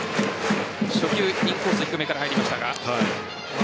初球インコース低めから入りましたが。